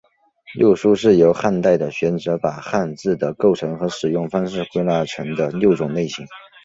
六书是由汉代的学者把汉字的构成和使用方式归纳成的六种类型。